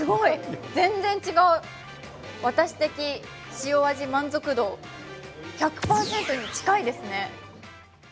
私的、塩味満足度、１００％に近いですね。